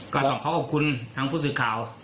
กำก็ต้องขอบคุณทั้งผู้สื่อข่าว